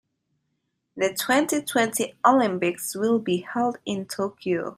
The twenty-twenty Olympics will be held in Tokyo.